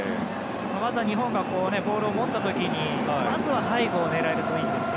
まずは日本がボールを持った時背後を狙えるといいんですが。